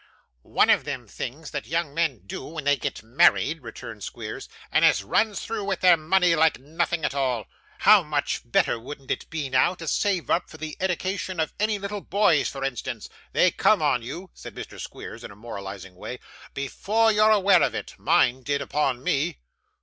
'One of them things that young men do when they get married,' returned Squeers; 'and as runs through with their money like nothing at all! How much better wouldn't it be now, to save it up for the eddication of any little boys, for instance! They come on you,' said Mr. Squeers in a moralising way, 'before you're aware of it; mine did upon me.